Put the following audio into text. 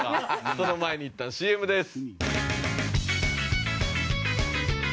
その前にいったんＣＭです。